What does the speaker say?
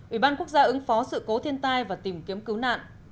ủy ban quốc gia ứng phó sự cố thiên tai và tìm kiếm cứu nạn